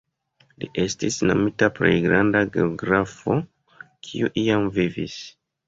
Li estis nomita plej granda geografo kiu iam vivis.